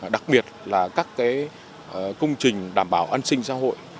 đặc biệt là các công trình đảm bảo an sinh xã hội